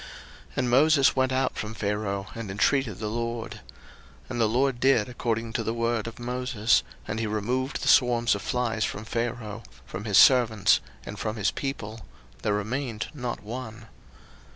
02:008:030 And Moses went out from Pharaoh, and intreated the LORD. 02:008:031 And the LORD did according to the word of Moses; and he removed the swarms of flies from Pharaoh, from his servants, and from his people; there remained not one.